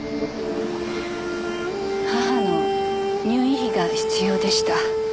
母の入院費が必要でした。